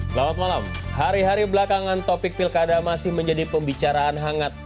selamat malam hari hari belakangan topik pilkada masih menjadi pembicaraan hangat